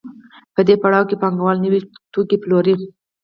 په دې پړاو کې پانګوال نوي توکي پلوري